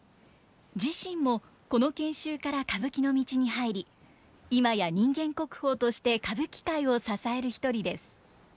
自身もこの研修から歌舞伎の道に入り今や人間国宝として歌舞伎界を支える一人です。